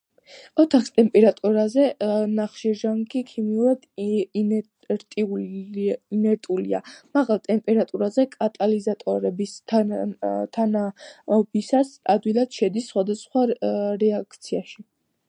ოთახის ტემპერატურაზე ნახშირჟანგი ქიმიურად ინერტულია, მაღალ ტემპერატურაზე კატალიზატორების თანაობისას ადვილად შედის სხვადასხვა რეაქციაში.